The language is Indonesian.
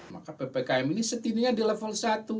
maka ppkm ini setidaknya di level satu